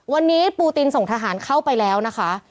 วันนี้ปูตินส่งทหารเข้าไปแล้วนะคะ